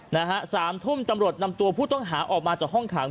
๓๐๐นตำรวจนำตัวผู้ต้องหาออกมาจากห้องขัง